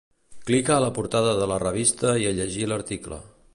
Clica a la portada de la revista i a llegir l'article.